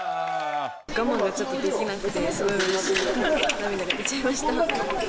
我慢がちょっとできなくて、すごいうれしくて涙が出ちゃいました。